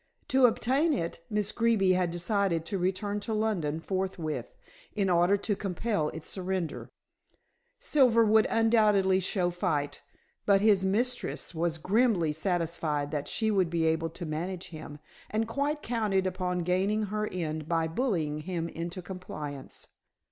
To obtain it, Miss Greeby had decided to return to London forthwith, in order to compel its surrender. Silver would undoubtedly show fight, but his mistress was grimly satisfied that she would be able to manage him, and quite counted upon gaining her end by bullying him into compliance.